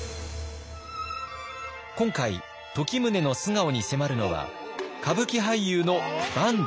今回時宗の素顔に迫るのは歌舞伎俳優の坂東